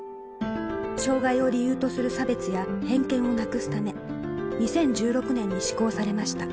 障がいを理由とする差別や偏見をなくすため、２０１６年に施行されました。